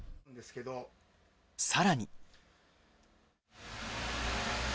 さらに。